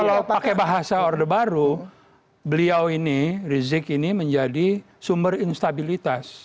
tapi di masa orde baru beliau ini rizik ini menjadi sumber instabilitas